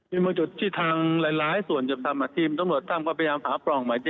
มีบางจุดที่ทางหลายส่วนจะทำที่ต้องรวดท่ำก็พยายามหาปล่อง